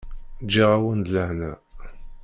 Ǧǧiɣ-awen-d lehna.